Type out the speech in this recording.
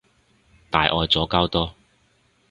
大愛左膠多